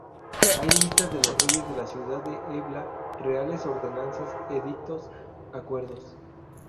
Hay listas de los reyes de la ciudad de Ebla, reales ordenanzas, edictos, acuerdos.